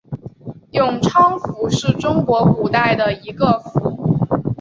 永昌府是中国古代的一个府。